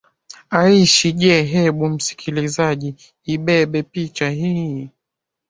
aishi je hebu msikilizaji ibebe picha hii